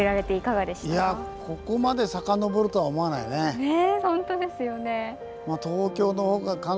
いやぁここまで遡るとは思わないよね。ね！